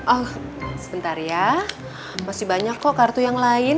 oh sebentar ya masih banyak kok kartu yang lain